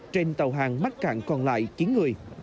trên tàu hàng mắc cạn còn lại chín người